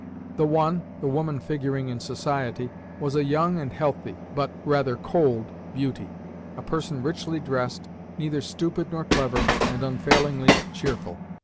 The one (the woman figuring in society) was a young and healthy, but rather cold, beauty, a person richly dressed, neither stupid nor clever, and unfailingly cheerful.